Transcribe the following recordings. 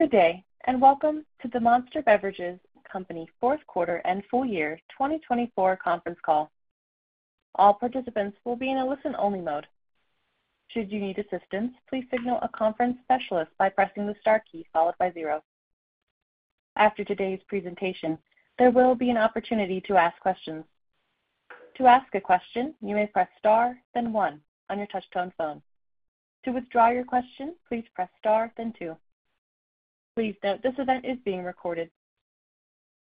Good day, and welcome to the Monster Beverage company's fourth quarter and full-year 2024 conference call. All participants will be in a listen-only mode. Should you need assistance, please signal a conference specialist by pressing the star key followed by zero. After today's presentation, there will be an opportunity to ask questions. To ask a question, you may press star, then one on your touch-tone phone. To withdraw your question, please press star, then two. Please note this event is being recorded.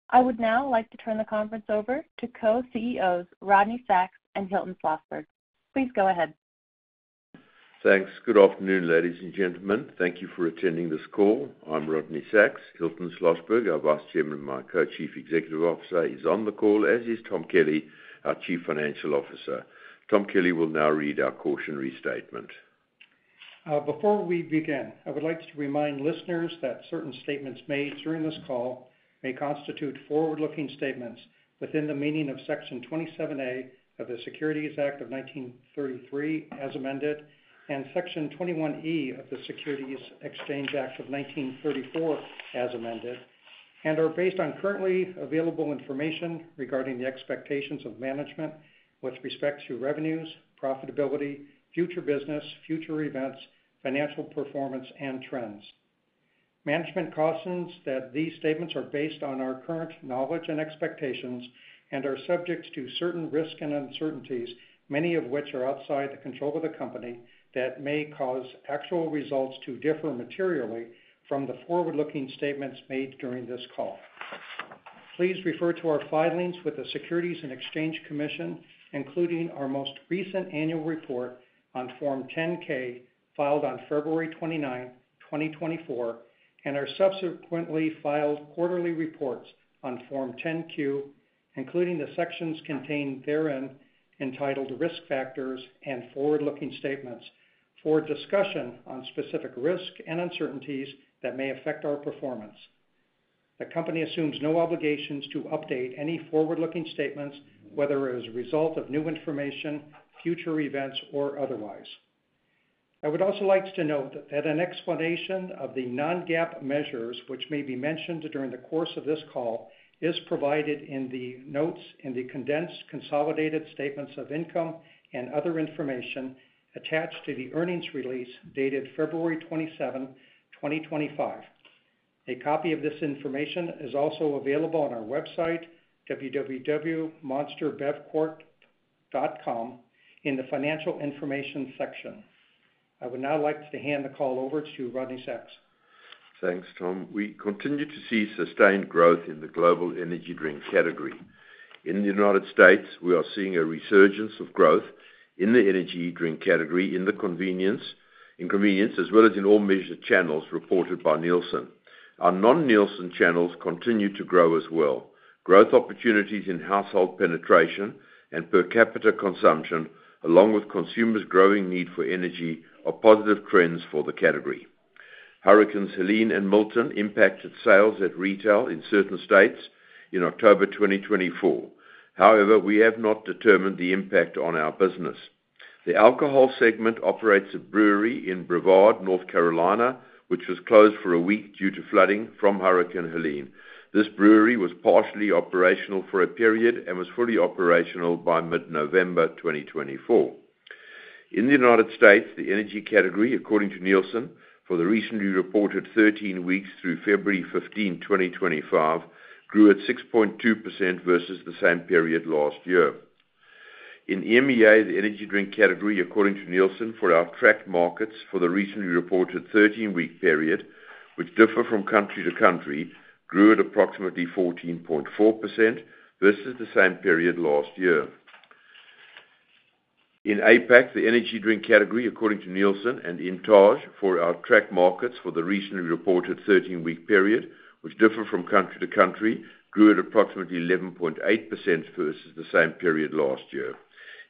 I would now like to turn the conference over to Co-CEOs Rodney Sacks and Hilton Schlosberg. Please go ahead. Thanks. Good afternoon, ladies and gentlemen. Thank you for attending this call. I'm Rodney Sacks. Hilton Schlosberg, our Vice Chairman and my Co-Chief Executive Officer, is on the call, as is Tom Kelly, our Chief Financial Officer. Tom Kelly will now read our cautionary statement. Before we begin, I would like to remind listeners that certain statements made during this call may constitute forward-looking statements within the meaning of Section 27A of the Securities Act of 1933 as amended, and Section 21E of the Securities Exchange Act of 1934 as amended, and are based on currently available information regarding the expectations of management with respect to revenues, profitability, future business, future events, financial performance, and trends. Management cautions that these statements are based on our current knowledge and expectations and are subject to certain risks and uncertainties, many of which are outside the control of the company, that may cause actual results to differ materially from the forward-looking statements made during this call. Please refer to our filings with the Securities and Exchange Commission, including our most recent annual report on Form 10-K filed on February 29, 2024, and our subsequently filed quarterly reports on Form 10-Q, including the sections contained therein entitled Risk Factors and Forward-Looking Statements, for discussion on specific risks and uncertainties that may affect our performance. The company assumes no obligations to update any forward-looking statements, whether as a result of new information, future events, or otherwise. I would also like to note that an explanation of the non-GAAP measures, which may be mentioned during the course of this call, is provided in the notes in the condensed consolidated statements of income and other information attached to the earnings release dated February 27, 2025. A copy of this information is also available on our website, www.monsterbevcorp.com, in the financial information section. I would now like to hand the call over to Rodney Sacks. Thanks, Tom. We continue to see sustained growth in the global energy drink category. In the United States, we are seeing a resurgence of growth in the energy drink category in the convenience as well as in all measured channels reported by Nielsen. Our non-Nielsen channels continue to grow as well. Growth opportunities in household penetration and per capita consumption, along with consumers' growing need for energy, are positive trends for the category. Hurricanes Helene and Milton impacted sales at retail in certain states in October 2024. However, we have not determined the impact on our business. The alcohol segment operates a brewery in Brevard, North Carolina, which was closed for a week due to flooding from Hurricane Helene. This brewery was partially operational for a period and was fully operational by mid-November 2024. In the United States, the energy category, according to Nielsen, for the recently reported 13 weeks through February 15, 2025, grew at 6.2% versus the same period last year. In EMEA, the energy drink category, according to Nielsen, for our tracked markets for the recently reported 13-week period, which differ from country to country, grew at approximately 14.4% versus the same period last year. In APAC, the energy drink category, according to Nielsen and INTAGE, for our tracked markets for the recently reported 13-week period, which differ from country to country, grew at approximately 11.8% versus the same period last year,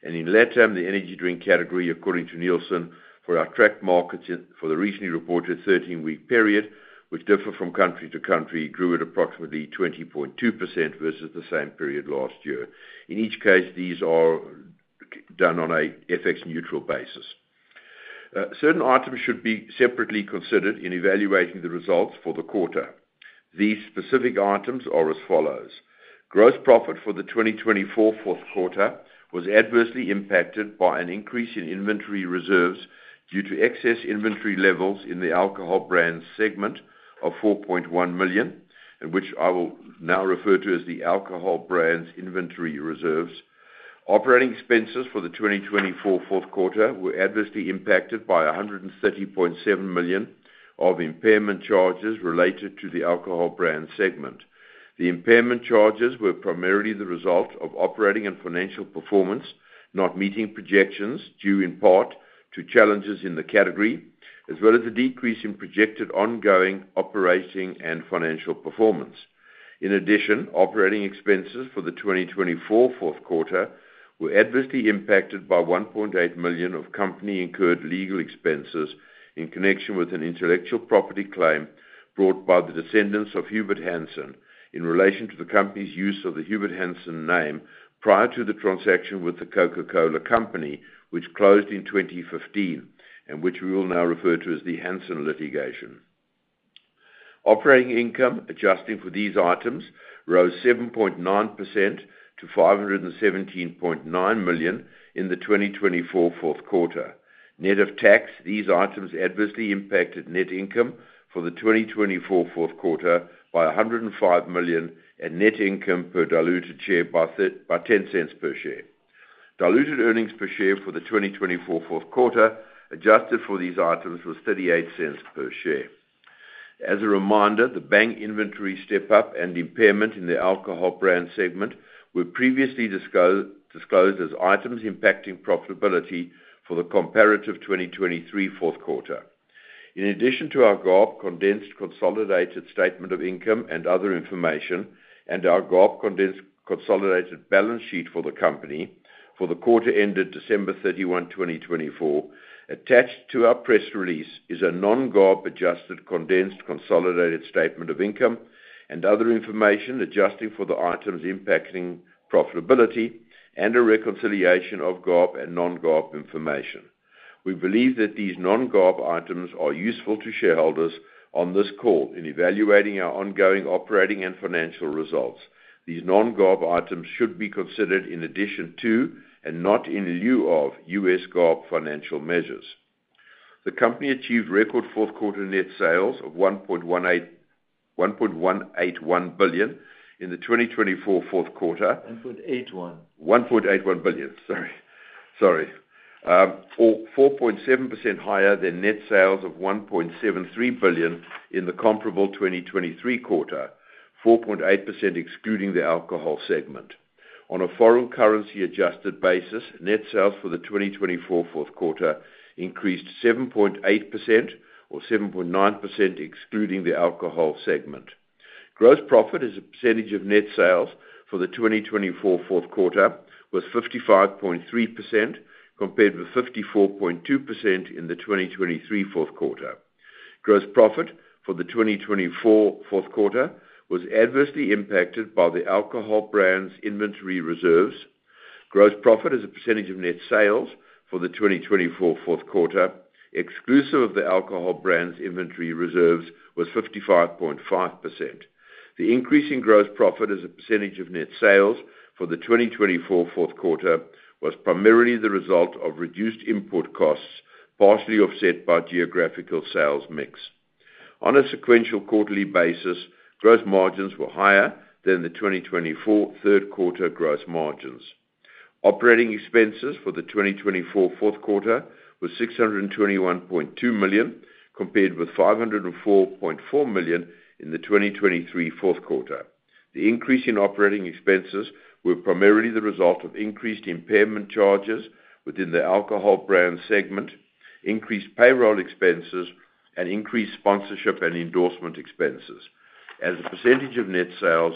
and in LATAM, the energy drink category, according to Nielsen, for our tracked markets for the recently reported 13-week period, which differ from country to country, grew at approximately 20.2% versus the same period last year. In each case, these are done on an FX-neutral basis. Certain items should be separately considered in evaluating the results for the quarter. These specific items are as follows. Gross profit for the 2024 fourth quarter was adversely impacted by an increase in inventory reserves due to excess inventory levels in the alcohol brands segment of $4.1 million, which I will now refer to as the alcohol brands inventory reserves. Operating expenses for the 2024 fourth quarter were adversely impacted by $130.7 million of impairment charges related to the alcohol brands segment. The impairment charges were primarily the result of operating and financial performance not meeting projections due in part to challenges in the category, as well as a decrease in projected ongoing operating and financial performance. In addition, operating expenses for the 2024 fourth quarter were adversely impacted by $1.8 million of company-incurred legal expenses in connection with an intellectual property claim brought by the descendants of Hubert Hansen in relation to the company's use of the Hubert Hansen name prior to the transaction with the Coca-Cola Company, which closed in 2015, and which we will now refer to as the Hansen Litigation. Operating income adjusting for these items rose 7.9% to $517.9 million in the 2024 fourth quarter. Net of tax, these items adversely impacted net income for the 2024 fourth quarter by $105 million and net income per diluted share by $0.10 per share. Diluted earnings per share for the 2024 fourth quarter adjusted for these items was $0.38 per share. As a reminder, the Bang inventory step-up and impairment in the alcohol brands segment were previously disclosed as items impacting profitability for the comparative 2023 fourth quarter. In addition to our GAAP condensed consolidated statement of income and other information, and our GAAP condensed consolidated balance sheet for the company for the quarter ended December 31, 2024, attached to our press release is a non-GAAP adjusted condensed consolidated statement of income and other information adjusting for the items impacting profitability and a reconciliation of GAAP and non-GAAP information. We believe that these non-GAAP items are useful to shareholders on this call in evaluating our ongoing operating and financial results. These non-GAAP items should be considered in addition to and not in lieu of U.S. GAAP financial measures. The company achieved record fourth quarter net sales of $1.181 billion in the 2024 fourth quarter. 1.81. $1.81 billion or 4.7% higher than net sales of $1.73 billion in the comparable 2023 quarter, 4.8% excluding the alcohol segment. On a foreign currency-adjusted basis, net sales for the 2024 fourth quarter increased 7.8% or 7.9% excluding the alcohol segment. Gross profit is a percentage of net sales for the 2024 fourth quarter, was 55.3% compared with 54.2% in the 2023 fourth quarter. Gross profit for the 2024 fourth quarter was adversely impacted by the alcohol brands inventory reserves. Gross profit is a percentage of net sales for the 2024 fourth quarter exclusive of the alcohol brands inventory reserves, was 55.5%. The increase in gross profit as a percentage of net sales for the 2024 fourth quarter was primarily the result of reduced import costs, partially offset by geographical sales mix. On a sequential quarterly basis, gross margins were higher than the 2024 third quarter gross margins. Operating expenses for the 2024 fourth quarter were $621.2 million compared with $504.4 million in the 2023 fourth quarter. The increase in operating expenses was primarily the result of increased impairment charges within the alcohol brands segment, increased payroll expenses, and increased sponsorship and endorsement expenses. As a percentage of net sales,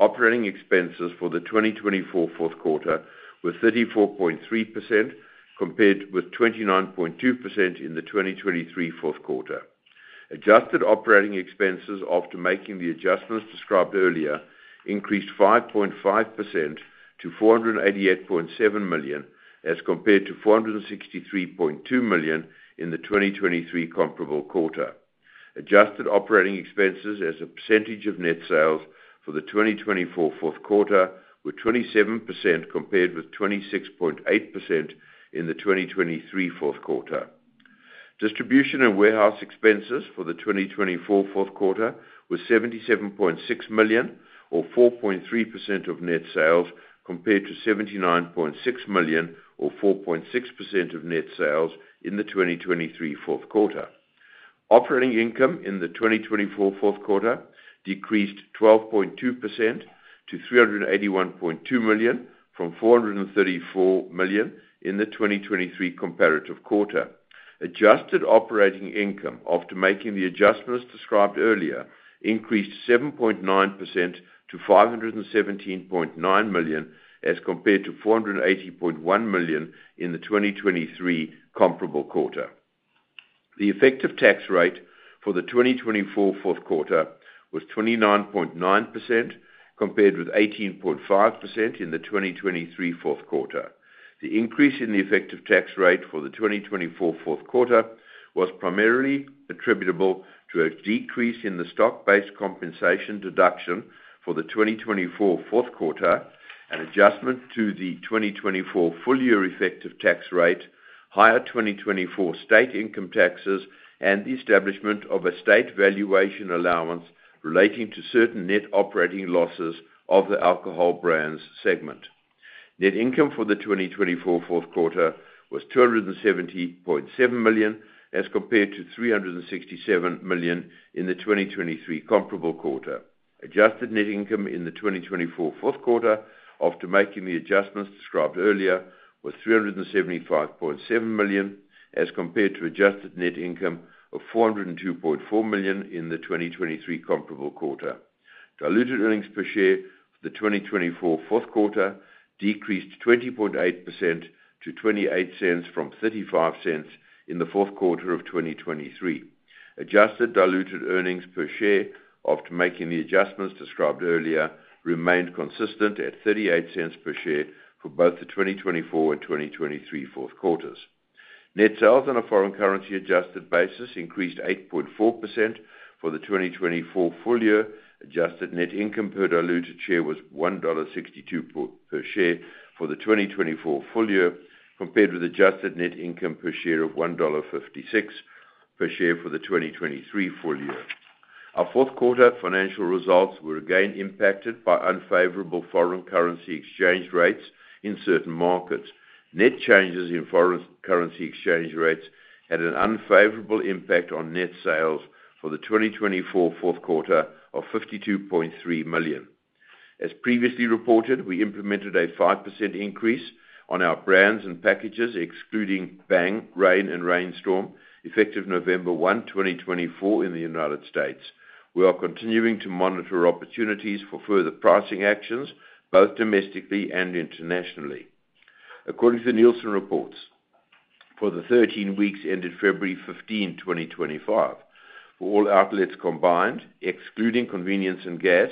operating expenses for the 2024 fourth quarter were 34.3% compared with 29.2% in the 2023 fourth quarter. Adjusted operating expenses after making the adjustments described earlier increased 5.5% to $488.7 million as compared to $463.2 million in the 2023 comparable quarter. Adjusted operating expenses as a percentage of net sales for the 2024 fourth quarter were 27% compared with 26.8% in the 2023 fourth quarter. Distribution and warehouse expenses for the 2024 fourth quarter were $77.6 million or 4.3% of net sales compared to $79.6 million or 4.6% of net sales in the 2023 fourth quarter. Operating income in the 2024 fourth quarter decreased 12.2% to $381.2 million from $434 million in the 2023 comparative quarter. Adjusted operating income after making the adjustments described earlier increased 7.9% to $517.9 million as compared to $480.1 million in the 2023 comparable quarter. The effective tax rate for the 2024 fourth quarter was 29.9% compared with 18.5% in the 2023 fourth quarter. The increase in the effective tax rate for the 2024 fourth quarter was primarily attributable to a decrease in the stock-based compensation deduction for the 2024 fourth quarter and adjustment to the 2024 full-year effective tax rate, higher 2024 state income taxes, and the establishment of a state valuation allowance relating to certain net operating losses of the alcohol brands segment. Net income for the 2024 fourth quarter was $270.7 million as compared to $367 million in the 2023 comparable quarter. Adjusted net income in the 2024 fourth quarter after making the adjustments described earlier was $375.7 million as compared to adjusted net income of $402.4 million in the 2023 comparable quarter. Diluted earnings per share for the 2024 fourth quarter decreased 20.8% to $0.28 from $0.35 in the fourth quarter of 2023. Adjusted diluted earnings per share after making the adjustments described earlier remained consistent at $0.38 per share for both the 2024 and 2023 fourth quarters. Net sales on a foreign currency-adjusted basis increased 8.4% for the 2024 full-year. Adjusted net income per diluted share was $1.62 per share for the 2024 full-year compared with adjusted net income per share of $1.56 per share for the 2023 full-year. Our fourth quarter financial results were again impacted by unfavorable foreign currency exchange rates in certain markets. Net changes in foreign currency exchange rates had an unfavorable impact on net sales for the 2024 fourth quarter of $52.3 million. As previously reported, we implemented a 5% increase on our brands and packages excluding Bang, Reign, and Reign Storm effective November 1, 2024, in the United States. We are continuing to monitor opportunities for further pricing actions both domestically and internationally. According to Nielsen reports for the 13 weeks ended February 15, 2025, for all outlets combined, excluding convenience and gas,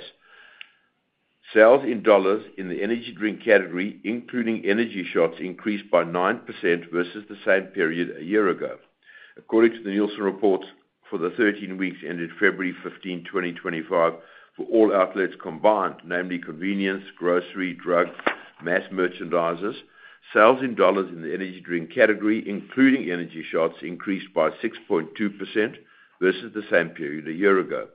sales in dollars in the energy drink category, including energy shots, increased by 9% versus the same period a year ago. According to the Nielsen reports for the 13 weeks ended February 15, 2025, for all outlets combined, namely convenience, grocery, drugs, mass merchandisers, sales in dollars in the energy drink category, including energy shots, increased by 6.2% versus the same period a year ago.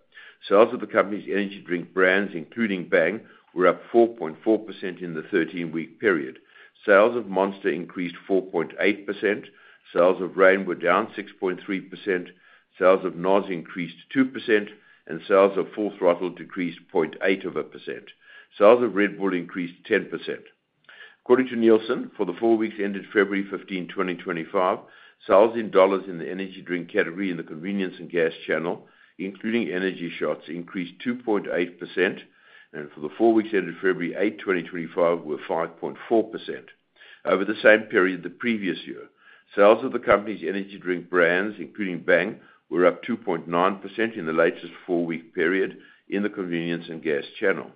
Sales of the company's energy drink brands, including Bang, were up 4.4% in the 13-week period. Sales of Monster increased 4.8%. Sales of Reign were down 6.3%. Sales of NOS increased 2%, and sales of Full Throttle decreased 0.8%. Sales of Red Bull increased 10%. According to Nielsen, for the four weeks ended February 15, 2025, sales in dollars in the energy drink category in the convenience and gas channel, including energy shots, increased 2.8%, and for the four weeks ended February 8, 2025, were 5.4%. Over the same period the previous year, sales of the company's energy drink brands, including Bang, were up 2.9% in the latest four-week period in the convenience and gas channel.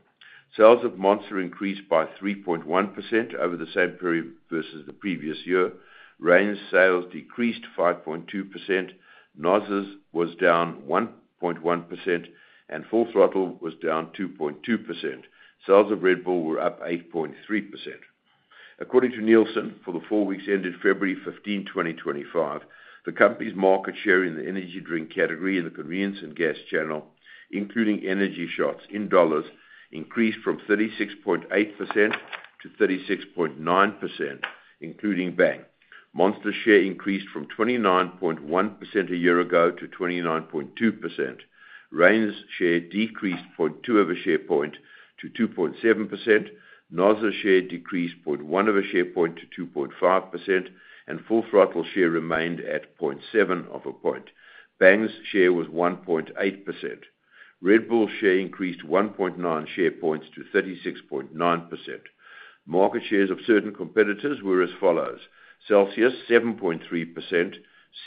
Sales of Monster increased by 3.1% over the same period versus the previous year. Reign's sales decreased 5.2%. NOS' was down 1.1%, and Full Throttle was down 2.2%. Sales of Red Bull were up 8.3%. According to Nielsen, for the four weeks ended February 15, 2025, the company's market share in the energy drink category in the convenience and gas channel, including energy shots in dollars, increased from 36.8% to 36.9%, including Bang. Monster's share increased from 29.1% a year ago to 29.2%. Reign's share decreased 0.2 of a share point to 2.7%. NOS' share decreased 0.1 of a share point to 2.5%, and Full Throttle's share remained at 0.7 of a point. Bang's share was 1.8%. Red Bull's share increased 1.9 share points to 36.9%. Market shares of certain competitors were as follows: Celsius 7.3%,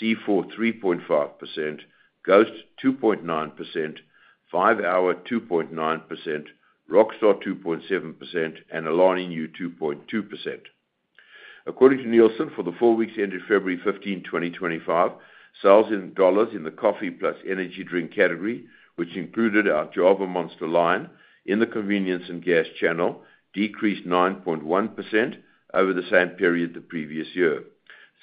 C4 3.5%, Ghost 2.9%, 5-hour 2.9%, Rockstar 2.7%, and Alani Nu 2.2%. According to Nielsen, for the four weeks ended February 15, 2025, sales in dollars in the coffee + energy drink category, which included our Java Monster line in the convenience and gas channel, decreased 9.1% over the same period the previous year.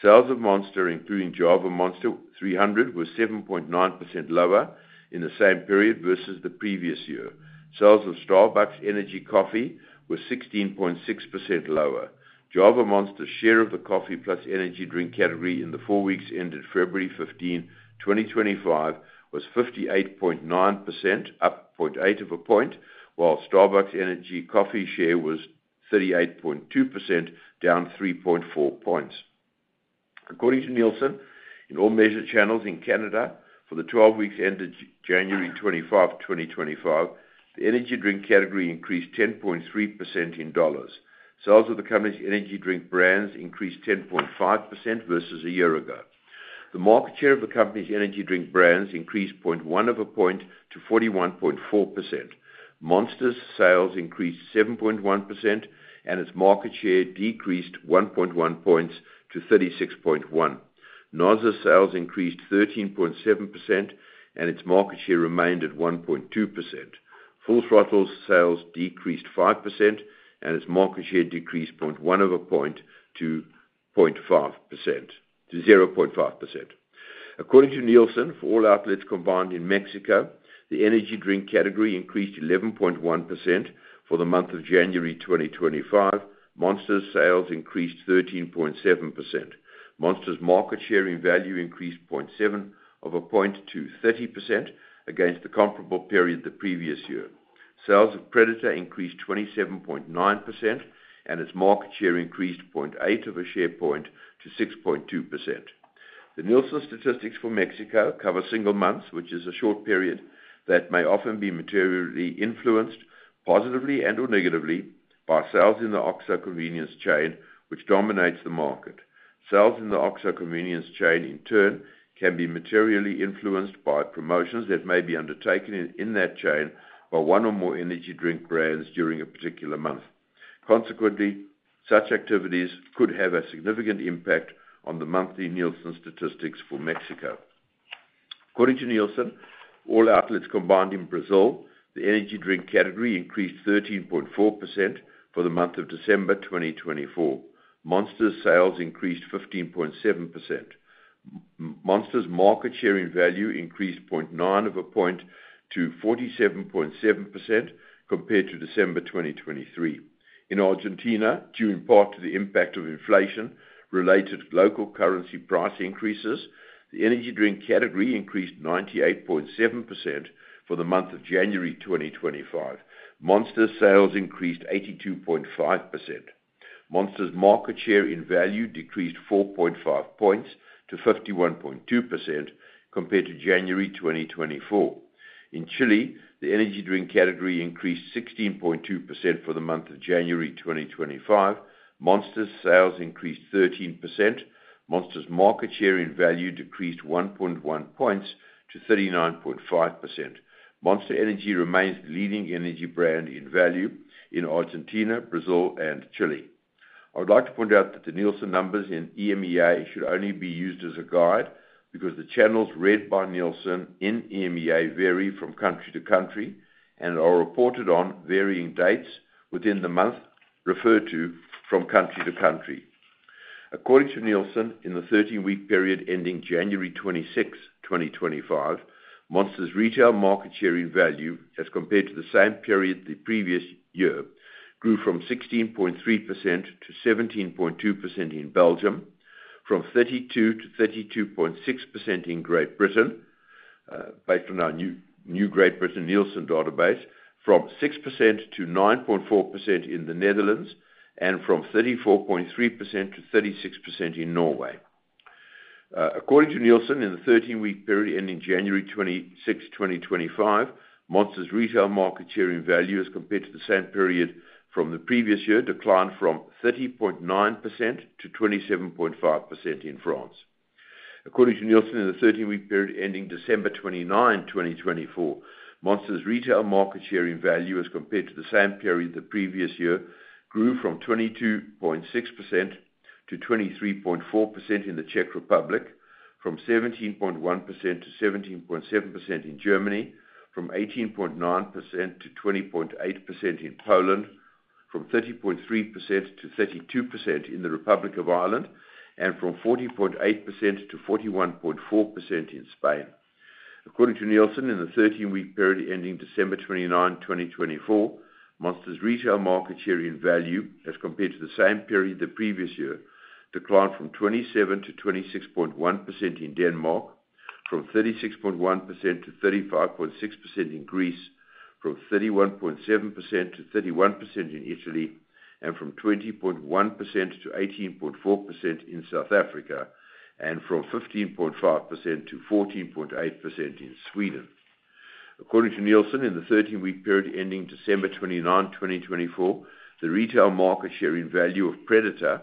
Sales of Monster, including Java Monster 300, were 7.9% lower in the same period versus the previous year. Sales of Starbucks Energy coffee were 16.6% lower. Java Monster's share of the coffee + energy drink category in the four weeks ended February 15, 2025, was 58.9%, up 0.8 of a point, while Starbucks Energy coffee's share was 38.2%, down 3.4 points. According to Nielsen, in all measured channels in Canada for the 12 weeks ended January 25, 2025, the energy drink category increased 10.3% in dollars. Sales of the company's energy drink brands increased 10.5% versus a year ago. The market share of the company's energy drink brands increased 0.1 of a point to 41.4%. Monster's sales increased 7.1%, and its market share decreased 1.1 points to 36.1%. NOS' sales increased 13.7%, and its market share remained at 1.2%. Full Throttle's sales decreased 5%, and its market share decreased 0.1 of a point to 0.5%. According to Nielsen, for all outlets combined in Mexico, the energy drink category increased 11.1% for the month of January 2025. Monster's sales increased 13.7%. Monster's market share in value increased 0.7 of a point to 30% against the comparable period the previous year. Sales of Predator increased 27.9%, and its market share increased 0.8 of a share point to 6.2%. The Nielsen statistics for Mexico cover single months, which is a short period that may often be materially influenced positively and/or negatively by sales in the OXXO convenience chain, which dominates the market. Sales in the OXXO convenience chain, in turn, can be materially influenced by promotions that may be undertaken in that chain by one or more energy drink brands during a particular month. Consequently, such activities could have a significant impact on the monthly Nielsen statistics for Mexico. According to Nielsen, for all outlets combined in Brazil, the energy drink category increased 13.4% for the month of December 2024. Monster's sales increased 15.7%. Monster's market share in value increased 0.9 of a point to 47.7% compared to December 2023. In Argentina, due in part to the impact of inflation-related local currency price increases, the energy drink category increased 98.7% for the month of January 2025. Monster's sales increased 82.5%. Monster's market share in value decreased 4.5 points to 51.2% compared to January 2024. In Chile, the energy drink category increased 16.2% for the month of January 2025. Monster's sales increased 13%. Monster's market share in value decreased 1.1 points to 39.5%. Monster Energy remains the leading energy brand in value in Argentina, Brazil, and Chile. I would like to point out that the Nielsen numbers in EMEA should only be used as a guide because the channels read by Nielsen in EMEA vary from country to country and are reported on varying dates within the month referred to from country to country. According to Nielsen, in the 13-week period ending January 26, 2025, Monster's retail market share in value, as compared to the same period the previous year, grew from 16.3% to 17.2% in Belgium, from 32% to 32.6% in Great Britain, based on our new Great Britain Nielsen database, from 6% to 9.4% in the Netherlands, and from 34.3% to 36% in Norway. According to Nielsen, in the 13-week period ending January 26, 2025, Monster's retail market share in value, as compared to the same period from the previous year, declined from 30.9% to 27.5% in France. According to Nielsen, in the 13-week period ending December 29, 2024, Monster's retail market share in value, as compared to the same period the previous year, grew from 22.6% to 23.4% in the Czech Republic, from 17.1% to 17.7% in Germany, from 18.9% to 20.8% in Poland, from 30.3% to 32% in the Republic of Ireland, and from 40.8% to 41.4% in Spain. According to Nielsen, in the 13-week period ending December 29, 2024, Monster's retail market share in value, as compared to the same period the previous year, declined from 27% to 26.1% in Denmark, from 36.1% to 35.6% in Greece, from 31.7% to 31% in Italy, and from 20.1% to 18.4% in South Africa, and from 15.5% to 14.8% in Sweden. According to Nielsen, in the 13-week period ending December 29, 2024, the retail market share in value of Predator,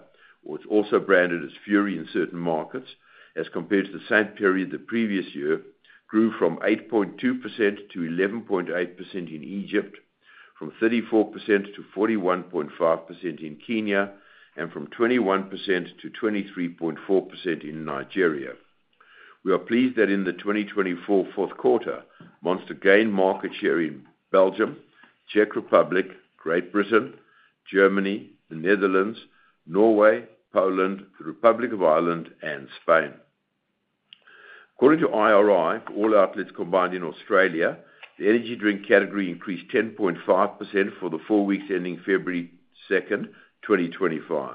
also branded as Fury in certain markets, as compared to the same period the previous year, grew from 8.2% to 11.8% in Egypt, from 34% to 41.5% in Kenya, and from 21% to 23.4% in Nigeria. We are pleased that in the 2024 fourth quarter, Monster gained market share in Belgium, Czech Republic, Great Britain, Germany, the Netherlands, Norway, Poland, the Republic of Ireland, and Spain. According to IRI, for all outlets combined in Australia, the energy drink category increased 10.5% for the four weeks ending February 2nd, 2025.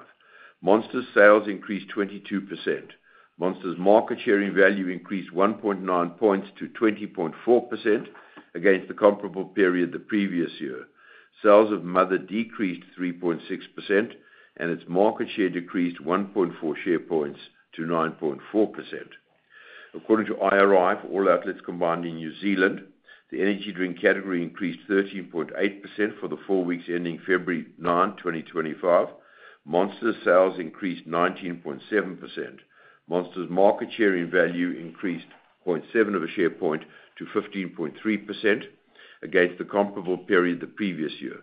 Monster's sales increased 22%. Monster's market share in value increased 1.9 points to 20.4% against the comparable period the previous year. Sales of Mother decreased 3.6%, and its market share decreased 1.4 share points to 9.4%. According to IRI, for all outlets combined in New Zealand, the energy drink category increased 13.8% for the four weeks ending February 9, 2025. Monster's sales increased 19.7%. Monster's market share in value increased 0.7 of a share point to 15.3% against the comparable period the previous year.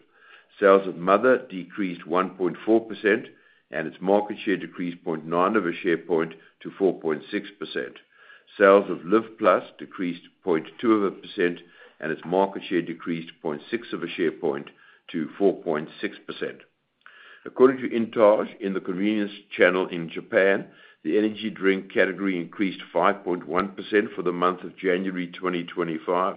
Sales of Mother decreased 1.4%, and its market share decreased 0.9 of a share point to 4.6%. Sales of Live+ decreased 0.2 of a percent, and its market share decreased 0.6 of a share point to 4.6%. According to INTAGE, in the convenience channel in Japan, the energy drink category increased 5.1% for the month of January 2025.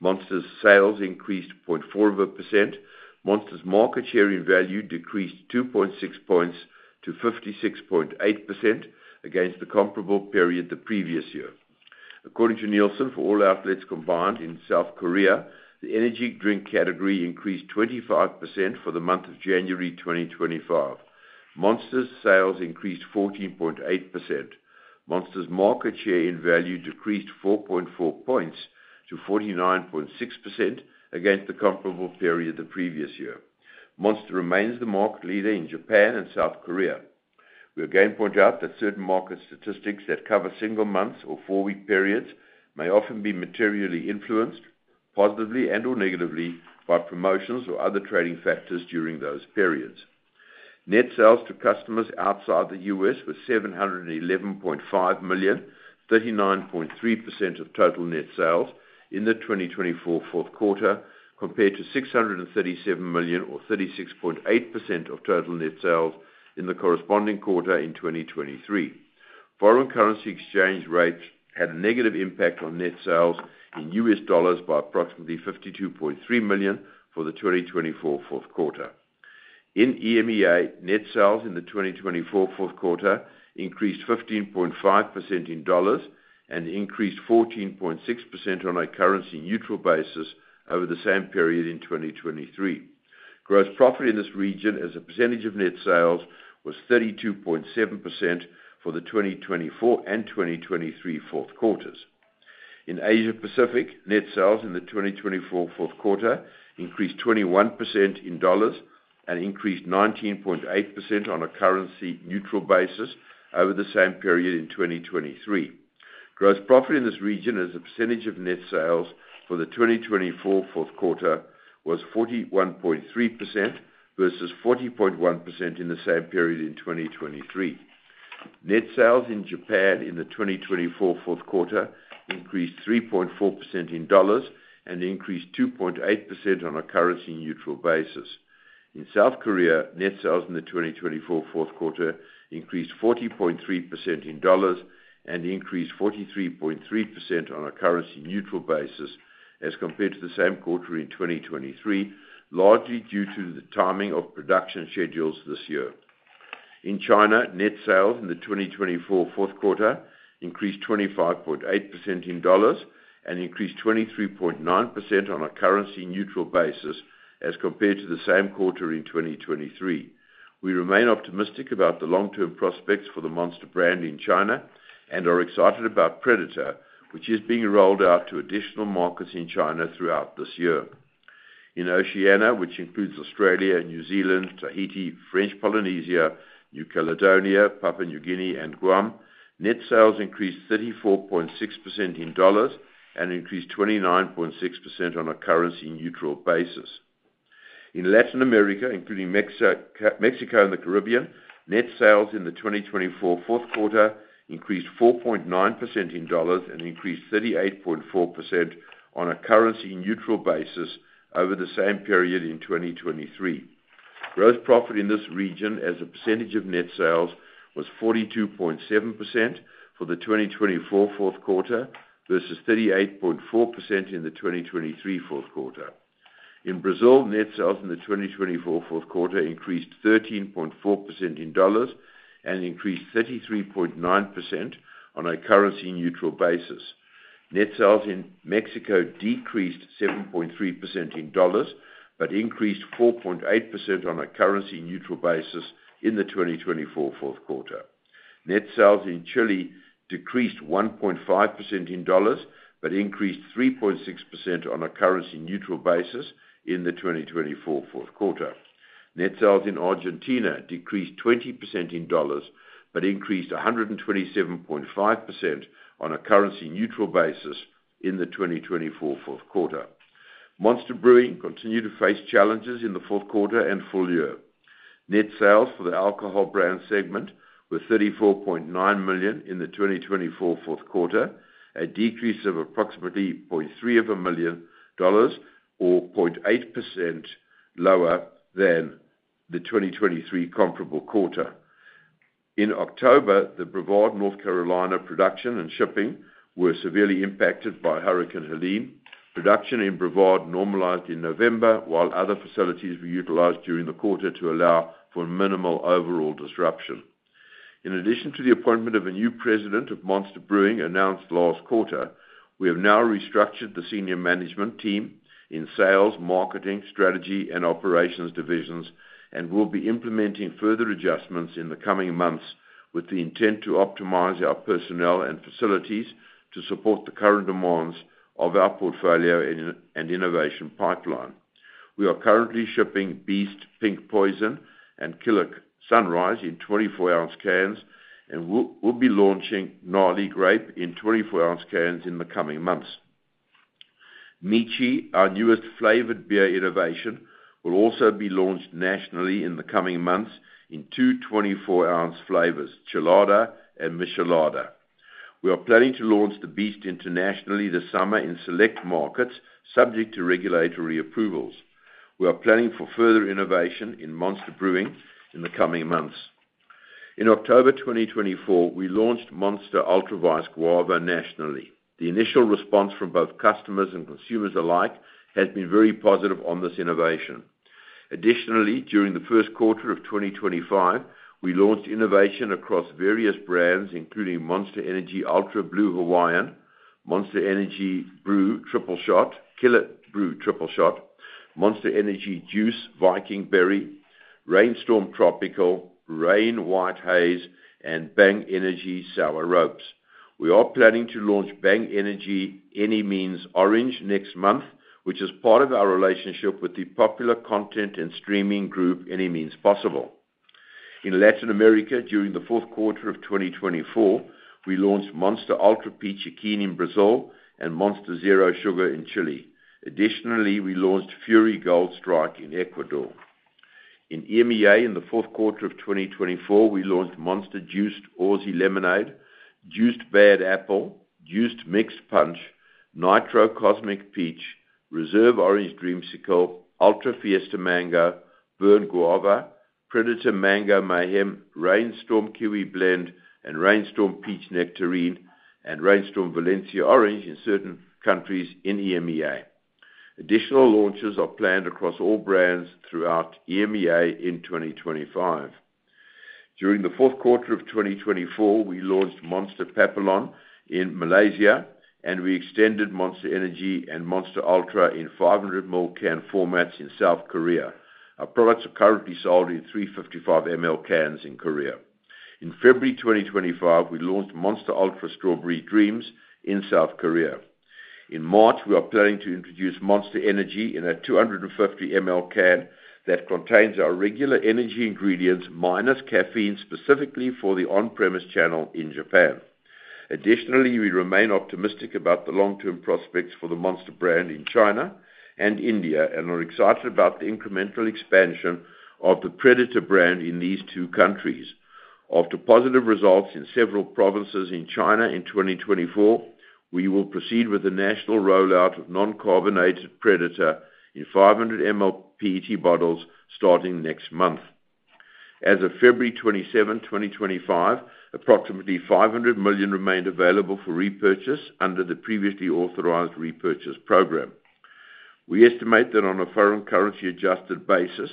Monster's sales increased 0.4 of a percent. Monster's market share in value decreased 2.6 points to 56.8% against the comparable period the previous year. According to Nielsen, for all outlets combined in South Korea, the energy drink category increased 25% for the month of January 2025. Monster's sales increased 14.8%. Monster's market share in value decreased 4.4 points to 49.6% against the comparable period the previous year. Monster remains the market leader in Japan and South Korea. We again point out that certain market statistics that cover single months or four-week periods may often be materially influenced, positively and/or negatively, by promotions or other trading factors during those periods. Net sales to customers outside the U.S. were $711.5 million, 39.3% of total net sales in the 2024 fourth quarter, compared to $637 million or 36.8% of total net sales in the corresponding quarter in 2023. Foreign currency exchange rates had a negative impact on net sales in U.S. dollars by approximately $52.3 million for the 2024 fourth quarter. In EMEA, net sales in the 2024 fourth quarter increased 15.5% in dollars and increased 14.6% on a currency-neutral basis over the same period in 2023. Gross profit in this region, as a percentage of net sales, was 32.7% for the 2024 and 2023 fourth quarters. In Asia Pacific, net sales in the 2024 fourth quarter increased 21% in dollars and increased 19.8% on a currency-neutral basis over the same period in 2023. Gross profit in this region, as a percentage of net sales for the 2024 fourth quarter, was 41.3% versus 40.1% in the same period in 2023. Net sales in Japan in the 2024 fourth quarter increased 3.4% in dollars and increased 2.8% on a currency-neutral basis. In South Korea, net sales in the 2024 fourth quarter increased 40.3% in dollars and increased 43.3% on a currency-neutral basis, as compared to the same quarter in 2023, largely due to the timing of production schedules this year. In China, net sales in the 2024 fourth quarter increased 25.8% in dollars and increased 23.9% on a currency-neutral basis, as compared to the same quarter in 2023. We remain optimistic about the long-term prospects for the Monster brand in China and are excited about Predator, which is being rolled out to additional markets in China throughout this year. In Oceania, which includes Australia and New Zealand, Tahiti, French Polynesia, New Caledonia, Papua New Guinea, and Guam, net sales increased 34.6% in dollars and increased 29.6% on a currency-neutral basis. In Latin America, including Mexico and the Caribbean, net sales in the 2024 fourth quarter increased 4.9% in dollars and increased 38.4% on a currency-neutral basis over the same period in 2023. Gross profit in this region, as a percentage of net sales, was 42.7% for the 2024 fourth quarter versus 38.4% in the 2023 fourth quarter. In Brazil, net sales in the 2024 fourth quarter increased 13.4% in dollars and increased 33.9% on a currency-neutral basis. Net sales in Mexico decreased 7.3% in dollars but increased 4.8% on a currency-neutral basis in the 2024 fourth quarter. Net sales in Chile decreased 1.5% in dollars but increased 3.6% on a currency-neutral basis in the 2024 fourth quarter. Net sales in Argentina decreased 20% in dollars but increased 127.5% on a currency-neutral basis in the 2024 fourth quarter. Monster Brewing continued to face challenges in the fourth quarter and full-year. Net sales for the alcohol brand segment were $34.9 million in the 2024 fourth quarter, a decrease of approximately $300,000 or 0.8% lower than the 2023 comparable quarter. In October, the Brevard, North Carolina, production and shipping were severely impacted by Hurricane Helene. Production in Brevard normalized in November, while other facilities were utilized during the quarter to allow for minimal overall disruption. In addition to the appointment of a new president of Monster Brewing announced last quarter, we have now restructured the senior management team in sales, marketing, strategy, and operations divisions and will be implementing further adjustments in the coming months with the intent to optimize our personnel and facilities to support the current demands of our portfolio and innovation pipeline. We are currently shipping Beast Pink Poison and Killer Sunrise in 24-ounce cans and will be launching Gnarly Grape in 24-ounce cans in the coming months. Michi, our newest flavored beer innovation, will also be launched nationally in the coming months in two 24-ounce flavors, Chelada and Michelada. We are planning to launch the Beast internationally this summer in select markets subject to regulatory approvals. We are planning for further innovation in Monster Brewing in the coming months. In October 2024, we launched Monster Ultra Vice Guava nationally. The initial response from both customers and consumers alike has been very positive on this innovation. Additionally, during the first quarter of 2025, we launched innovation across various brands, including Monster Energy Ultra Blue Hawaiian, Monster Energy Brew Triple Shot, Killer Brew Triple Shot, Monster Energy Juiced Viking Berry, Reign Storm Tropical, Reign White Haze, and Bang Energy Sour Ropes. We are planning to launch Bang Energy Any Means Orange next month, which is part of our relationship with the popular content and streaming group Any Means Possible. In Latin America, during the fourth quarter of 2024, we launched Monster Ultra Peachy Keen in Brazil and Monster Zero Sugar in Chile. Additionally, we launched Fury Gold Strike in Ecuador. In EMEA, in the fourth quarter of 2024, we launched Monster Juiced Aussie Lemonade, Juiced Bad Apple, Juiced Mixxd Punch, Nitro Cosmic Peach, Reserve Orange Dreamsicle, Ultra Fiesta Mango, Burn Guava, Predator Mango Mayhem, Reign Storm Kiwi Blend, and Reign Storm Peach Nectarine, and Reign Storm Valencia Orange in certain countries in EMEA. Additional launches are planned across all brands throughout EMEA in 2025. During the fourth quarter of 2024, we launched Monster Papillon in Malaysia, and we extended Monster Energy and Monster Ultra in 500 ml can formats in South Korea. Our products are currently sold in 355 ml cans in Korea. In February 2025, we launched Monster Ultra Strawberry Dreams in South Korea. In March, we are planning to introduce Monster Energy in a 250 ml can that contains our regular energy ingredients minus caffeine, specifically for the on-premise channel in Japan. Additionally, we remain optimistic about the long-term prospects for the Monster brand in China and India and are excited about the incremental expansion of the Predator brand in these two countries. After positive results in several provinces in China in 2024, we will proceed with the national rollout of non-carbonated Predator in 500 ml PET bottles starting next month. As of February 27, 2025, approximately 500 million remained available for repurchase under the previously authorized repurchase program. We estimate that on a foreign currency-adjusted basis,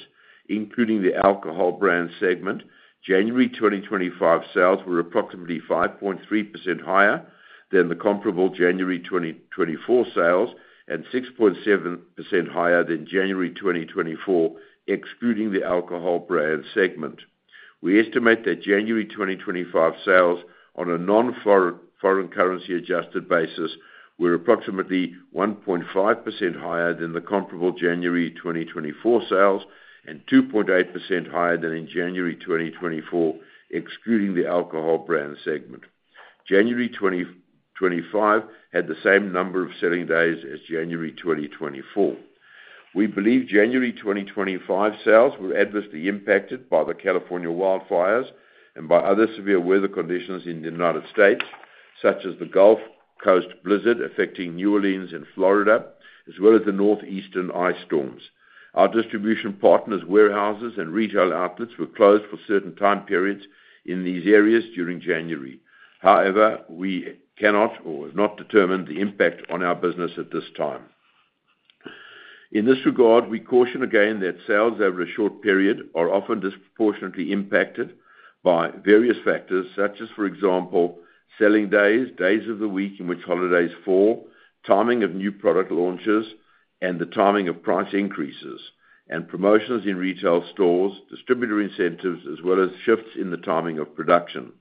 including the alcohol brand segment, January 2025 sales were approximately 5.3% higher than the comparable January 2024 sales and 6.7% higher than January 2024, excluding the alcohol brand segment. We estimate that January 2025 sales on a non-foreign currency-adjusted basis were approximately 1.5% higher than the comparable January 2024 sales and 2.8% higher than in January 2024, excluding the alcohol brand segment. January 2025 had the same number of selling days as January 2024. We believe January 2025 sales were adversely impacted by the California wildfires and by other severe weather conditions in the United States, such as the Gulf Coast Blizzard affecting New Orleans and Florida, as well as the northeastern ice storms. Our distribution partners, warehouses, and retail outlets were closed for certain time periods in these areas during January. However, we cannot or have not determined the impact on our business at this time. In this regard, we caution again that sales over a short period are often disproportionately impacted by various factors, such as, for example, selling days, days of the week in which holidays fall, timing of new product launches, and the timing of price increases and promotions in retail stores, distributor incentives, as well as shifts in the timing of production.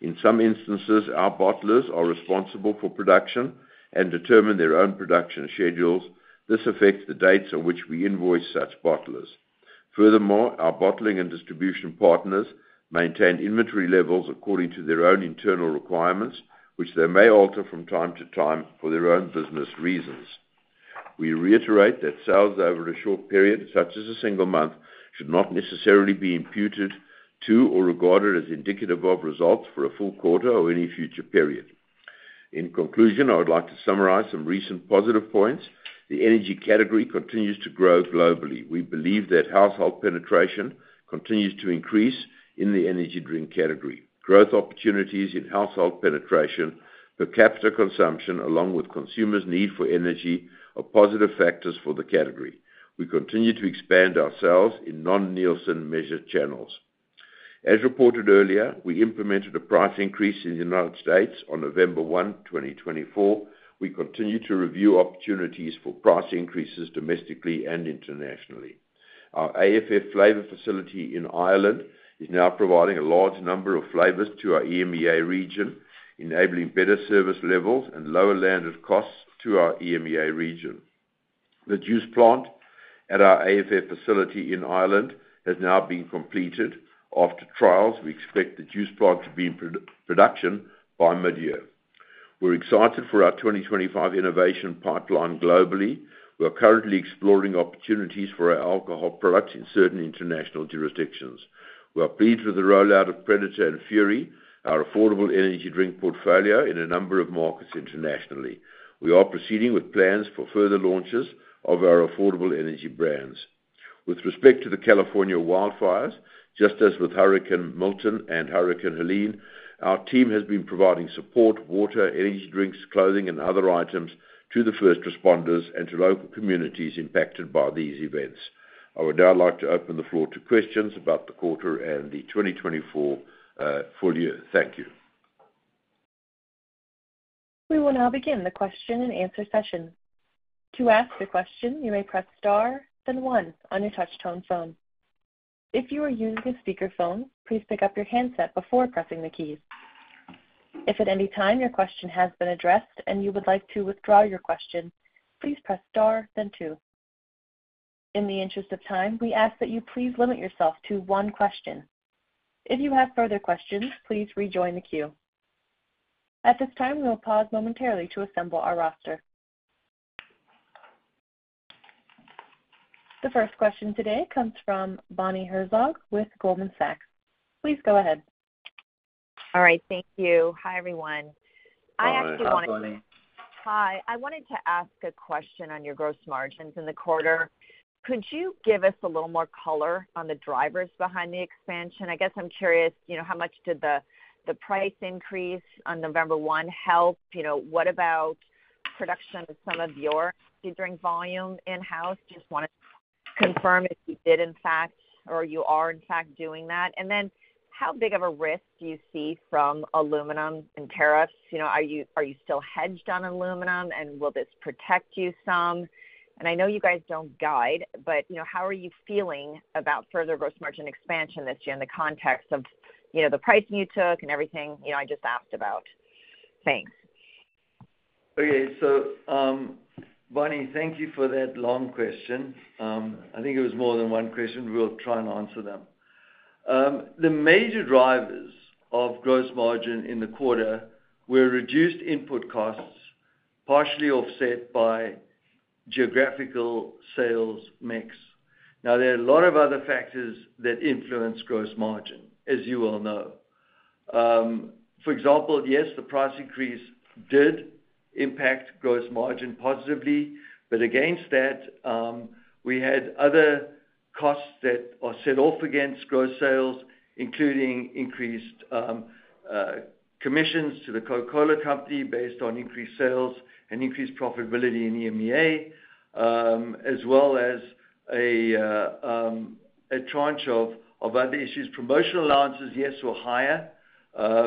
In some instances, our bottlers are responsible for production and determine their own production schedules. This affects the dates on which we invoice such bottlers. Furthermore, our bottling and distribution partners maintain inventory levels according to their own internal requirements, which they may alter from time to time for their own business reasons. We reiterate that sales over a short period, such as a single month, should not necessarily be imputed to or regarded as indicative of results for a full quarter or any future period. In conclusion, I would like to summarize some recent positive points. The energy category continues to grow globally. We believe that household penetration continues to increase in the energy drink category. Growth opportunities in household penetration, per capita consumption, along with consumers' need for energy, are positive factors for the category. We continue to expand our sales in non-Nielsen measured channels. As reported earlier, we implemented a price increase in the United States on November 1, 2024. We continue to review opportunities for price increases domestically and internationally. Our AFF flavor facility in Ireland is now providing a large number of flavors to our EMEA region, enabling better service levels and lower landed costs to our EMEA region. The juice plant at our AFF facility in Ireland has now been completed. After trials, we expect the juice plant to be in production by mid-year. We're excited for our 2025 innovation pipeline globally. We're currently exploring opportunities for our alcohol products in certain international jurisdictions. We're pleased with the rollout of Predator and Fury, our affordable energy drink portfolio, in a number of markets internationally. We are proceeding with plans for further launches of our affordable energy brands. With respect to the California wildfires, just as with Hurricane Milton and Hurricane Helene, our team has been providing support, water, energy drinks, clothing, and other items to the first responders and to local communities impacted by these events. I would now like to open the floor to questions about the quarter and the 2024 full-year. Thank you. We will now begin the question-and-answer session. To ask a question, you may press star, then one on your touch-tone phone. If you are using a speakerphone, please pick up your handset before pressing the keys. If at any time your question has been addressed and you would like to withdraw your question, please press star, then two. In the interest of time, we ask that you please limit yourself to one question. If you have further questions, please rejoin the queue. At this time, we will pause momentarily to assemble our roster. The first question today comes from Bonnie Herzog with Goldman Sachs. Please go ahead. All right. Thank you. Hi, everyone. Hi, Bonnie. I actually wanted to. Hi, Bonnie. Hi. I wanted to ask a question on your gross margins in the quarter. Could you give us a little more color on the drivers behind the expansion? I guess I'm curious, you know, how much did the price increase on November 1 help? You know, what about production of some of your energy drink volume in-house? Just wanted to confirm if you did, in fact, or you are, in fact, doing that. And then how big of a risk do you see from aluminum and tariffs? You know, are you still hedged on aluminum, and will this protect you some? And I know you guys don't guide, but, you know, how are you feeling about further gross margin expansion this year in the context of, you know, the pricing you took and everything, you know, I just asked about? Thanks. Okay. So, Bonnie, thank you for that long question. I think it was more than one question. We'll try and answer them. The major drivers of gross margin in the quarter were reduced input costs, partially offset by geographical sales mix. Now, there are a lot of other factors that influence gross margin, as you all know. For example, yes, the price increase did impact gross margin positively, but against that, we had other costs that are set off against gross sales, including increased commissions to the Coca-Cola Company based on increased sales and increased profitability in EMEA, as well as a tranche of other issues. Promotional allowances, yes, were higher,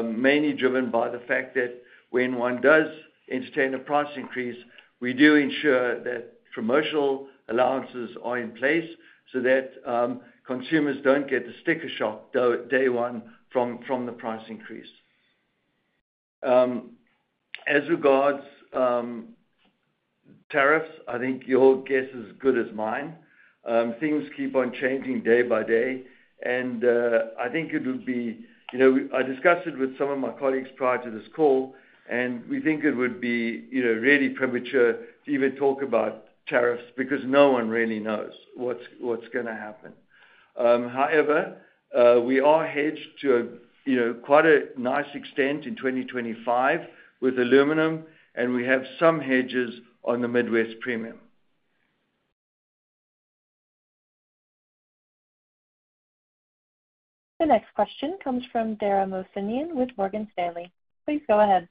mainly driven by the fact that when one does entertain a price increase, we do ensure that promotional allowances are in place so that consumers don't get the sticker shock day one from the price increase. As regards tariffs, I think your guess is as good as mine. Things keep on changing day by day, and I think it would be, you know, I discussed it with some of my colleagues prior to this call, and we think it would be, you know, really premature to even talk about tariffs because no one really knows what's going to happen. However, we are hedged to a, you know, quite a nice extent in 2025 with aluminum, and we have some hedges on the Midwest Premium. The next question comes from Dara Mohsenian with Morgan Stanley. Please go ahead.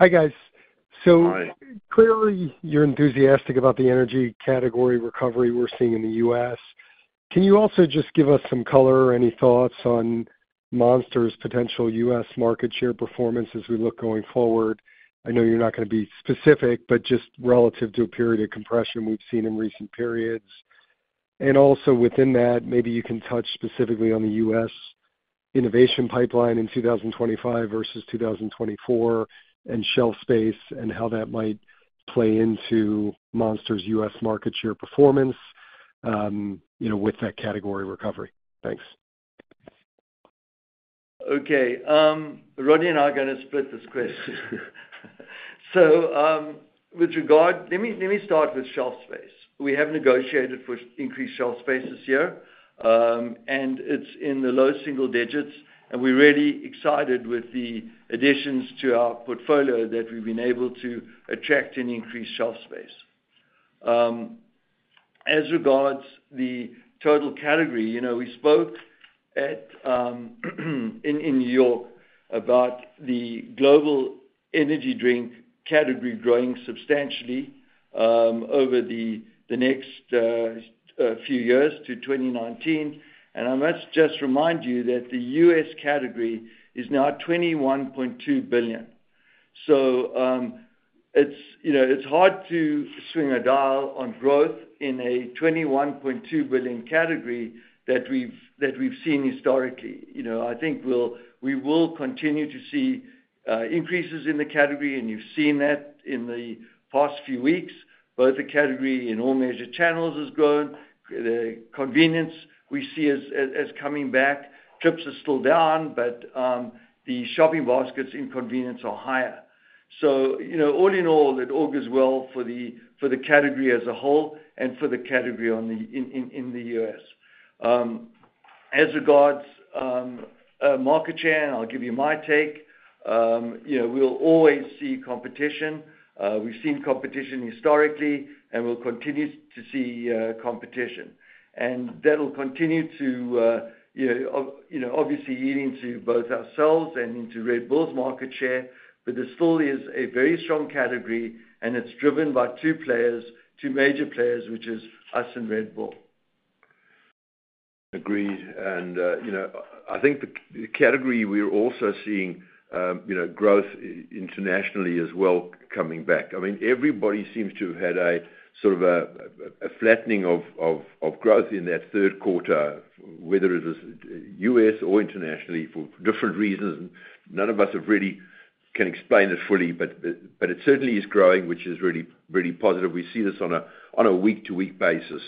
Hi, guys. So, clearly, you're enthusiastic about the energy category recovery we're seeing in the U.S. Can you also just give us some color or any thoughts on Monster's potential U.S. market share performance as we look going forward? I know you're not going to be specific, but just relative to a period of compression we've seen in recent periods. And also within that, maybe you can touch specifically on the U.S. innovation pipeline in 2025 versus 2024 and shelf space and how that might play into Monster's U.S. market share performance, you know, with that category recovery. Thanks. Okay. Rodney and I are going to split this question. So, with regard, let me start with shelf space. We have negotiated for increased shelf space this year, and it's in the low single digits, and we're really excited with the additions to our portfolio that we've been able to attract an increased shelf space. As regards the total category, you know, we spoke at, in New York about the global energy drink category growing substantially, over the next, few years to 2019. I must just remind you that the U.S. category is now $21.2 billion. So, it's, you know, it's hard to swing a dial on growth in a $21.2 billion category that we've seen historically. You know, I think we will continue to see increases in the category, and you've seen that in the past few weeks. Both the category in all major channels has grown. The convenience we see is as coming back. Trips are still down, but the shopping baskets in convenience are higher. So, you know, all in all, it all goes well for the category as a whole and for the category in the U.S. As regards market share, and I'll give you my take, you know, we'll always see competition. We've seen competition historically, and we'll continue to see competition. And that'll continue to, you know, obviously eat into both ourselves and into Red Bull's market share, but there still is a very strong category, and it's driven by two players, two major players, which is us and Red Bull. Agreed. And, you know, I think the category we're also seeing, you know, growth internationally is well coming back. I mean, everybody seems to have had a sort of a flattening of growth in that third quarter, whether it was U.S. or internationally, for different reasons. And none of us have really can explain it fully, but it certainly is growing, which is really, really positive. We see this on a week-to-week basis.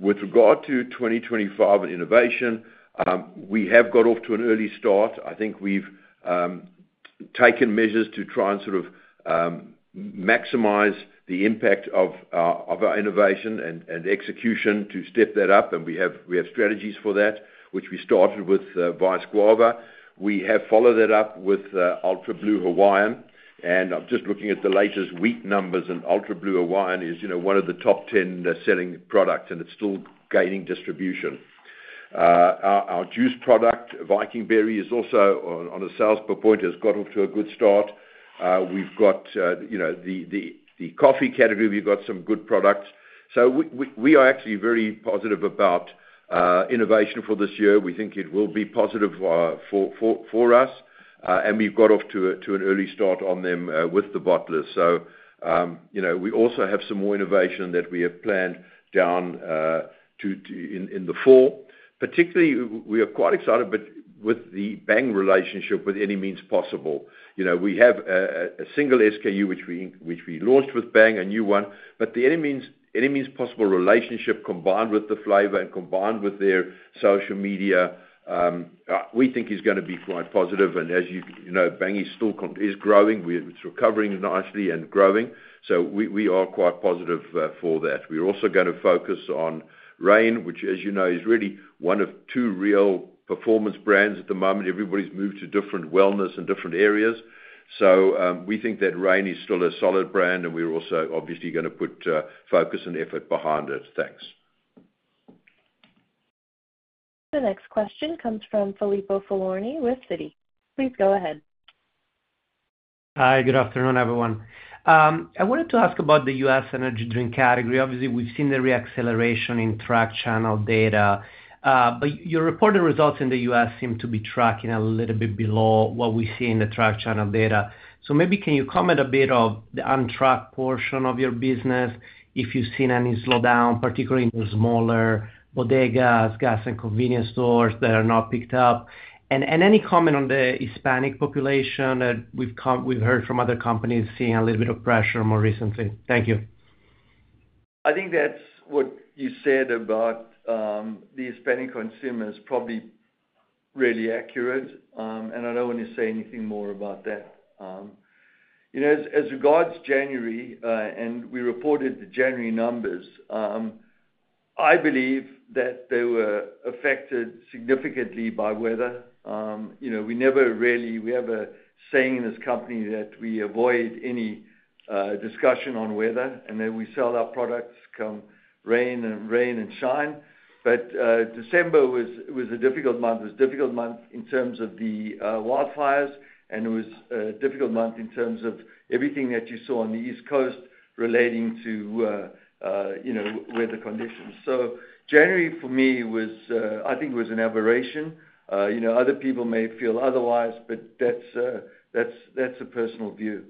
With regard to 2025 and innovation, we have got off to an early start. I think we've taken measures to try and sort of maximize the impact of our innovation and execution to step that up. We have strategies for that, which we started with Vice Guava. We have followed that up with Ultra Blue Hawaiian. I'm just looking at the latest week numbers, and Ultra Blue Hawaiian is, you know, one of the top 10 selling products, and it's still gaining distribution. Our juice product, Viking Berry, is also on a sales per point and has got off to a good start. We've got, you know, the coffee category. We've got some good products. We are actually very positive about innovation for this year. We think it will be positive for us. We've got off to an early start on them with the bottlers. So, you know, we also have some more innovation that we have planned for the fall. Particularly, we are quite excited with the Bang relationship with Any Means Possible. You know, we have a single SKU, which we launched with Bang, a new one. But the Any Means Possible relationship combined with the flavor and combined with their social media, we think is going to be quite positive. And as you know, Bang is still growing. It's recovering nicely and growing. So we are quite positive for that. We're also going to focus on Reign, which, as you know, is really one of two real performance brands at the moment. Everybody's moved to different wellness and different areas. So, we think that Reign is still a solid brand, and we're also obviously going to put focus and effort behind it. Thanks. The next question comes from Filippo Falorni with Citi. Please go ahead. Hi, good afternoon, everyone. I wanted to ask about the U.S. energy drink category. Obviously, we've seen the reacceleration in track channel data, but your reported results in the U.S. seem to be tracking a little bit below what we see in the track channel data. So maybe can you comment a bit on the untracked portion of your business, if you've seen any slowdown, particularly in the smaller bodegas, gas, and convenience stores that are not picked up? And any comment on the Hispanic population that we've heard from other companies seeing a little bit of pressure more recently? Thank you. I think that's what you said about the Hispanic consumer is probably really accurate, and I don't want to say anything more about that. You know, as regards January, and we reported the January numbers, I believe that they were affected significantly by weather. You know, we never really have a saying in this company that we avoid any discussion on weather and that we sell our products come rain and shine. But December was a difficult month. It was a difficult month in terms of the wildfires, and it was a difficult month in terms of everything that you saw on the East Coast relating to, you know, weather conditions. So January, for me, was, I think, an aberration. You know, other people may feel otherwise, but that's a personal view.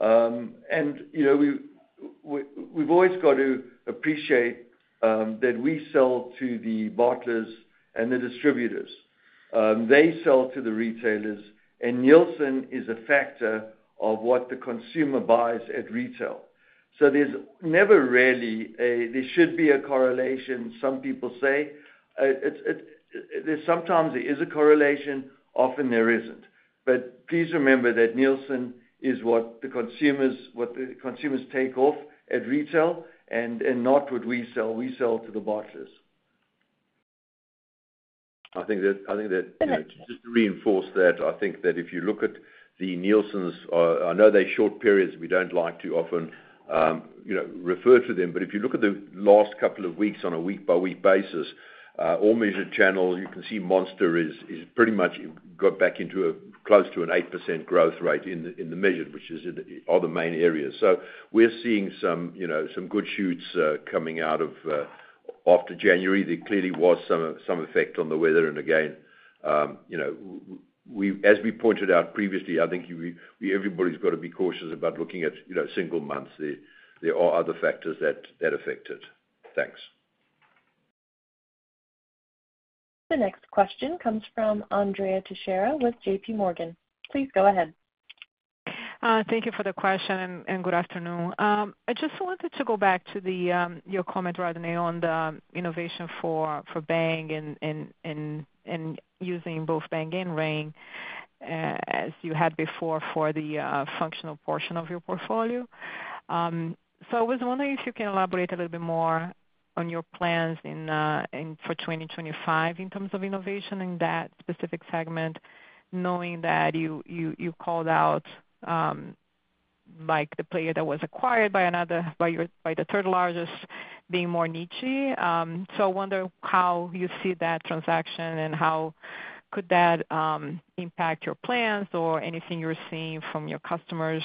You know, we've always got to appreciate that we sell to the bottlers and the distributors. They sell to the retailers, and Nielsen is a factor of what the consumer buys at retail. So there's never really a there should be a correlation, some people say. It's it there's sometimes there is a correlation, often there isn't. But please remember that Nielsen is what the consumers take off at retail and not what we sell. We sell to the bottlers. I think that just to reinforce that, I think that if you look at the Nielsen's, I know they're short periods. We don't like to often, you know, refer to them. But if you look at the last couple of weeks on a week-by-week basis, all measured channels, you can see Monster is pretty much got back into a close to an 8% growth rate in the measured, which is in the other main areas. So we're seeing some, you know, some green shoots coming out after January. There clearly was some effect on the weather. And again, you know, we, as we pointed out previously, I think you, we, everybody's got to be cautious about looking at, you know, single months. There are other factors that affect it. Thanks. The next question comes from Andrea Teixeira with JPMorgan. Please go ahead. Thank you for the question and good afternoon. I just wanted to go back to your comment, Rodney, on the innovation for Bang and using both Bang and Reign, as you had before for the functional portion of your portfolio. So I was wondering if you can elaborate a little bit more on your plans in for 2025 in terms of innovation in that specific segment, knowing that you called out, like the player that was acquired by another by the third largest being more niche-y. So I wonder how you see that transaction and how could that impact your plans or anything you're seeing from your customers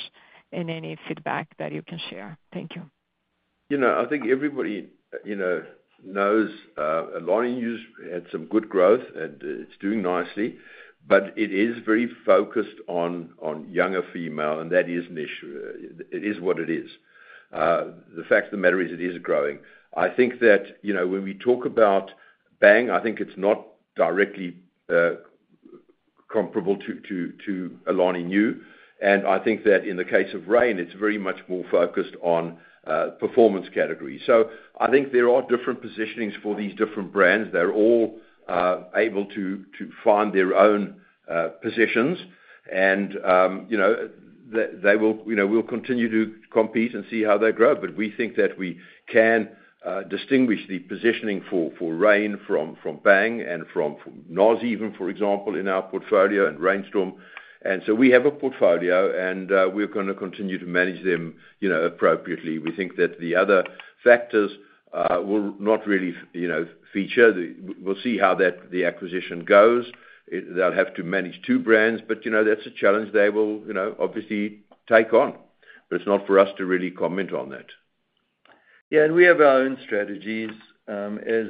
and any feedback that you can share. Thank you. You know, I think everybody, you know, knows, Alani Nu had some good growth and it's doing nicely, but it is very focused on younger female, and that is an issue. It is what it is. The fact of the matter is it is growing. I think that, you know, when we talk about Bang, I think it's not directly comparable to Alani Nu. And I think that in the case of Reign, it's very much more focused on performance categories. So I think there are different positionings for these different brands. They're all able to find their own positions. And, you know, they will, you know, we'll continue to compete and see how they grow. But we think that we can distinguish the positioning for Reign from Bang and from NOS, even, for example, in our portfolio and Reign Storm. And so we have a portfolio, and we're going to continue to manage them, you know, appropriately. We think that the other factors will not really, you know, feature. We'll see how the acquisition goes. They'll have to manage two brands, but, you know, that's a challenge they will, you know, obviously take on. But it's not for us to really comment on that. Yeah, and we have our own strategies, as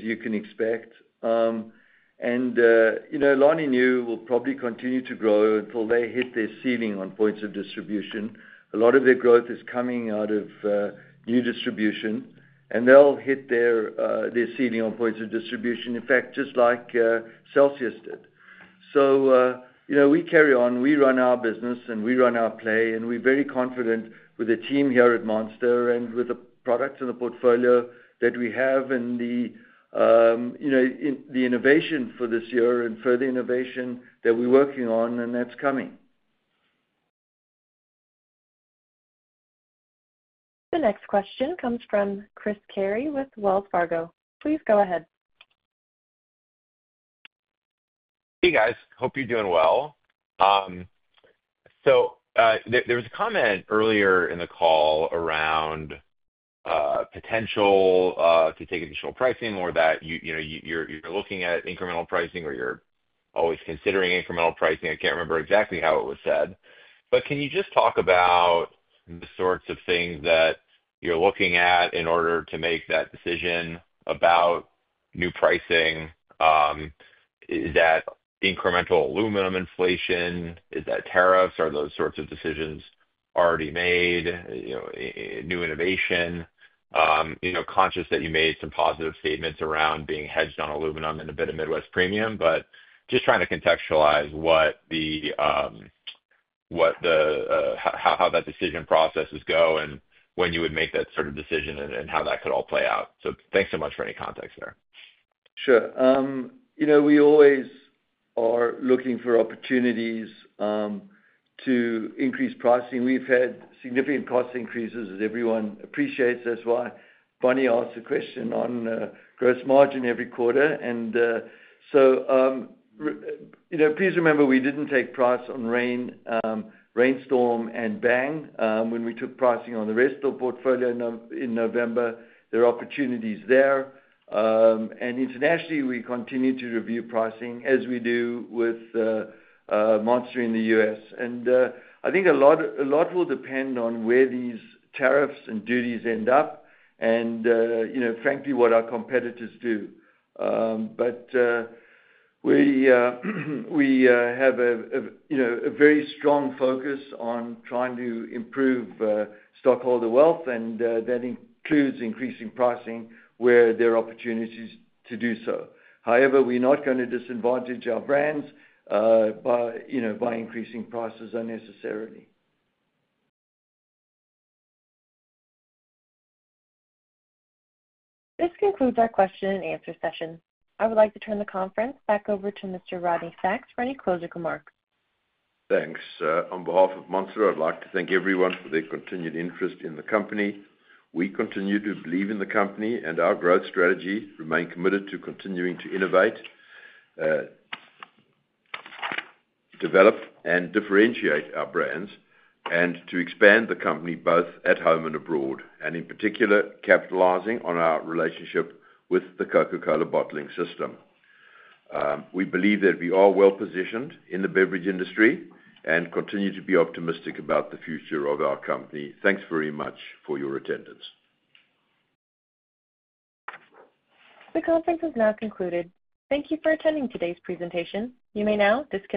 you can expect. And, you know, Alani Nu will probably continue to grow until they hit their ceiling on points of distribution. A lot of their growth is coming out of new distribution, and they'll hit their ceiling on points of distribution, in fact, just like Celsius did. So, you know, we carry on. We run our business, and we run our play, and we're very confident with the team here at Monster and with the products and the portfolio that we have and the, you know, the innovation for this year and further innovation that we're working on, and that's coming. The next question comes from Chris Carey with Wells Fargo. Please go ahead. Hey, guys. Hope you're doing well. So, there was a comment earlier in the call around potential to take additional pricing or that you, you know, you're looking at incremental pricing or you're always considering incremental pricing. I can't remember exactly how it was said. But can you just talk about the sorts of things that you're looking at in order to make that decision about new pricing? Is that incremental aluminum inflation? Is that tariffs? Are those sorts of decisions already made? You know, new innovation? You know, conscious that you made some positive statements around being hedged on aluminum and a bit of Midwest Premium, but just trying to contextualize what the, how that decision processes go and when you would make that sort of decision and how that could all play out. So thanks so much for any context there. Sure. You know, we always are looking for opportunities to increase pricing. We've had significant cost increases, as everyone appreciates as well. Bonnie asked a question on gross margin every quarter. And so, you know, please remember we didn't take price on Reign, Reign Storm and Bang, when we took pricing on the rest of the portfolio in November. There are opportunities there. And internationally, we continue to review pricing as we do with Monster in the U.S. I think a lot will depend on where these tariffs and duties end up and, you know, frankly, what our competitors do. But we have, you know, a very strong focus on trying to improve stockholder wealth, and that includes increasing pricing where there are opportunities to do so. However, we're not going to disadvantage our brands by, you know, increasing prices unnecessarily. This concludes our question and answer session. I would like to turn the conference back over to Mr. Rodney Sacks for any closing remarks. Thanks. On behalf of Monster, I'd like to thank everyone for their continued interest in the company. We continue to believe in the company and our growth strategy, remain committed to continuing to innovate, develop and differentiate our brands and to expand the company both at home and abroad, and in particular, capitalizing on our relationship with the Coca-Cola bottling system. We believe that we are well positioned in the beverage industry and continue to be optimistic about the future of our company. Thanks very much for your attendance. The conference has now concluded. Thank you for attending today's presentation. You may now disconnect.